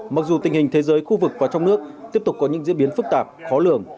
mặc dù tình hình thế giới khu vực và trong nước tiếp tục có những diễn biến phức tạp khó lường